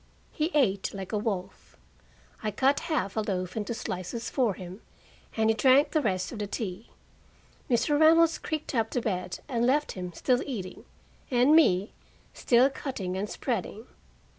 He ate like a wolf. I cut half a loaf into slices for him, and he drank the rest of the tea. Mr. Reynolds creaked up to bed and left him still eating, and me still cutting and spreading.